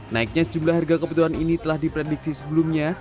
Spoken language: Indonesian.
naiknya sejumlah harga kebutuhan ini telah diprediksi sebelumnya